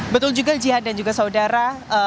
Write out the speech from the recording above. betul juga jihad dan juga saudara